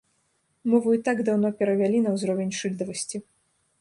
Мову і так даўно перавялі на ўзровень шыльдавасці.